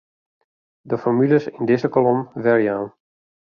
De formules yn dizze kolom werjaan.